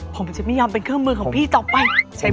ผมจะไม่ยอมเป็นเครื่องมือของพี่ต่อไป